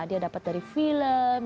dia dapat dari film